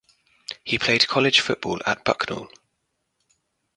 He played college football at Bucknell.